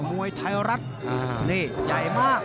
มวยไทยรัฐนี่ใหญ่มาก